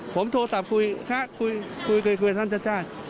ผมโทรศัพท์คุยคุยเคยคุยท่านชาติ